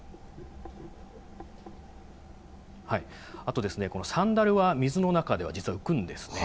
あと、このサンダルは水の中では実は浮くんですね。